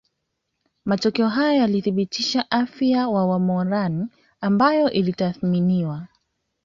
Matokeo haya yalithibitisha afya wa wamoran ambayo ilitathminiwa